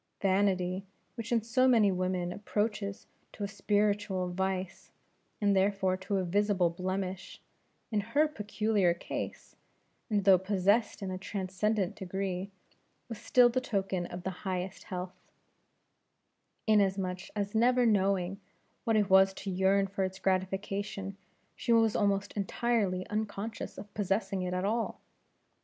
Vanity, which in so many women approaches to a spiritual vice, and therefore to a visible blemish; in her peculiar case and though possessed in a transcendent degree was still the token of the highest health; inasmuch as never knowing what it was to yearn for its gratification, she was almost entirely unconscious of possessing it at all.